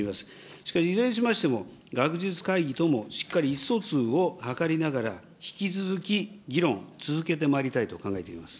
しかし、いずれにしましても、学術会議ともしっかり意思疎通を図りながら、引き続き議論、続けてまいりたいと考えております。